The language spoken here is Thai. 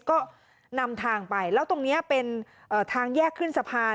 ก็นำทางไปแล้วตรงนี้เป็นทางแยกขึ้นสะพาน